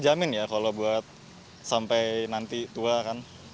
jadi saya nggak terjamin ya kalau buat sampai nanti tua kan